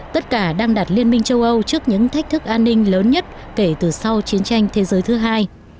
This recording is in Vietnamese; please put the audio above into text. tất cả đang đặt liên minh châu âu trước những thách thức an ninh lớn nhất kể từ sau chiến tranh thế giới thứ hai